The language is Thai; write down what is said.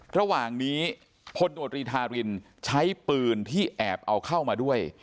ระหว่างนี้พลโนตรีทารินใช้ปืนที่แอบเอาเข้ามาด้วย